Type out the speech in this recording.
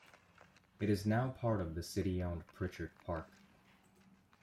It is now part of the city-owned Pritchard Park.